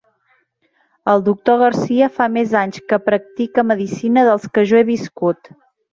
El doctor Garcia fa més anys que practica medicina dels que jo he viscut.